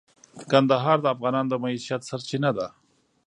کندهار د افغانانو د معیشت سرچینه ده.